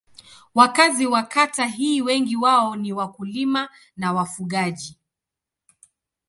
Wakazi wa kata hii wengi wao ni wakulima na wafugaji.